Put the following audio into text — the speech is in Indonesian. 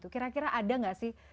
kira kira ada nggak sih